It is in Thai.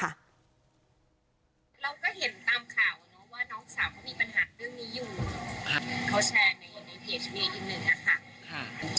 เราก็เห็นตามข่าวเนอะว่าน้องสาวเขามีปัญหาเรื่องนี้อยู่เขาแชร์ในในเพจมีอีกหนึ่งอะค่ะ